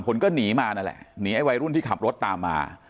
คนก็หนีมานั่นแหละหนีไอ้วัยรุ่นที่ขับรถตามมา